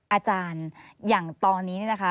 อาจารย์อย่างตอนนี้นะคะ